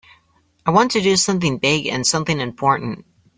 I want to do something big and something important.